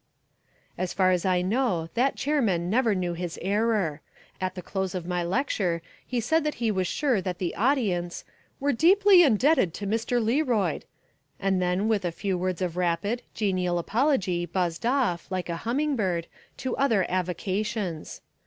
As far as I know that chairman never knew his error. At the close of my lecture he said that he was sure that the audience "were deeply indebted to Mr. Learoyd," and then with a few words of rapid, genial apology buzzed off, like a humming bird, to other avocations.